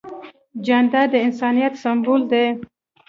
جانداد د انسانیت سمبول دی.